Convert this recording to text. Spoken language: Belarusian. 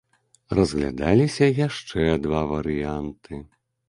Разглядаліся яшчэ два варыянты.